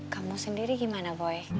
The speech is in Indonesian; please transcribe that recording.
kamu sendiri gimana boy